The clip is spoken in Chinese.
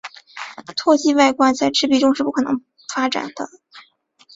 脱机外挂在赤壁中是不可能发展的。